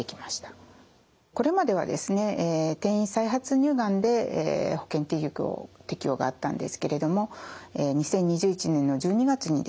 これまではですね転移・再発乳がんで保険適用があったんですけれども２０２１年の１２月にですね